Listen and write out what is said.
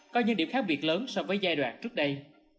có những điểm khác biệt lớn so với giai đoạn trước đây